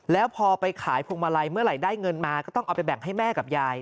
แล้วพอไปขายพวงมาลัยเมื่อไหร่ได้เงินมาก็ต้องเอาไปแบ่งให้แม่กับยาย